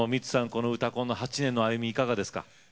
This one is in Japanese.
この「うたコン」の８年の歩みいかがですか？